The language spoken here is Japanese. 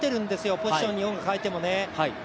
ポジションを変えてもね。